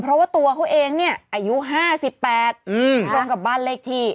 เพราะว่าตัวเขาเองเนี่ยอายุ๕๘ตรงกับบ้านเลขที่